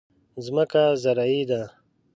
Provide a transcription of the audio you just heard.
ځمکه زرعي ده.